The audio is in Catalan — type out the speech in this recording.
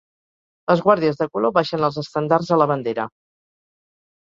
Les guàrdies de color baixen els estendards a la bandera.